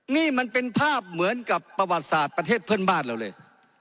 นี่มันเป็นภาพเหมือนกับประวัติศาสตร์ประเทศเพื่อนบ้านเราเลย